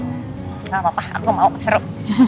tidak apa apa aku mau seru